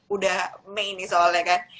udah mei nih soalnya kan